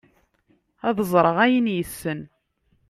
ad ẓreɣ ayen yessen